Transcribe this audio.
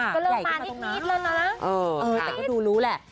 ก็เริ่มผ่านอีกนิดเลยนะเออแต่ก็ดูรู้แหละ